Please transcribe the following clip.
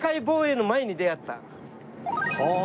はあ！